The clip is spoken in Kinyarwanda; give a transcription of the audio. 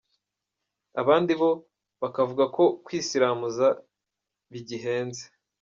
Abandi bo bakavuga ko kwisiramuza bigihenze.